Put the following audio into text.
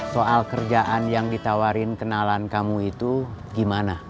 soal kerjaan yang ditawarin kenalan kamu itu gimana